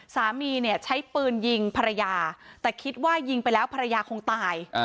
สามีเนี่ยใช้ปืนยิงภรรยาแต่คิดว่ายิงไปแล้วภรรยาคงตาย